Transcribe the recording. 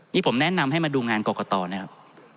นี่ผมแนะนำให้มาดูงานกรกตนะครับ